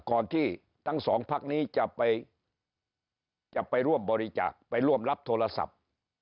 ก่อนที่ทั้งสองพักนี้จะไปจะไปร่วมบริจาคไปร่วมรับโทรศัพท์